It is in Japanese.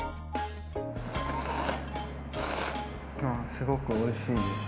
すごくおいしいです。